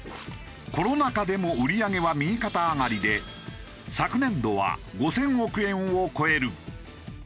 コロナ禍でも売り上げは右肩上がりで昨年度は５０００億円を超える。